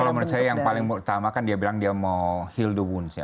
kalau menurut saya yang paling utama kan dia bilang dia mau heal the woons ya